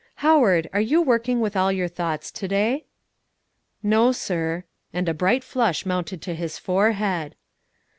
"Howard, are you working with all your thoughts to day?" "No, sir." And a bright flush mounted to his forehead.